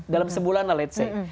dalam sebulan lah let's say